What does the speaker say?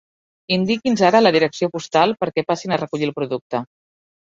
Indiqui'ns ara la direcció postal perquè passin a recollir el producte.